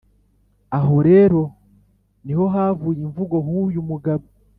aho rero ni ho havuye imvugo huyu mugabo